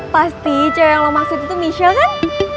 pasti cewek yang lo maksud itu tuh misha kan